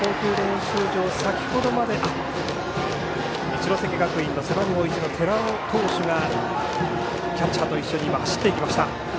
一関学院の背番号１の寺尾投手がキャッチャーと一緒に走っていきました。